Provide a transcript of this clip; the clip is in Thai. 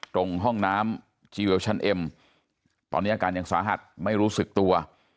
ตรงห้องน้ำจีเวลชันเอ็มตอนนี้อาการยังสาหัสไม่รู้สึกตัว